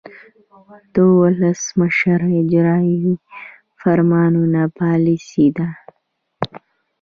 د ولسمشر اجراییوي فرمانونه پالیسي ده.